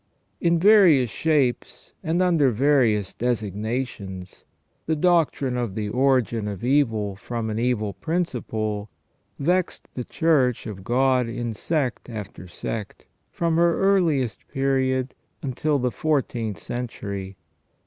In various shapes and under various designations, the doctrine of the origin of evil from an evil principle vexed the Church of God in sect after sect, from her earliest period until the fourteenth century.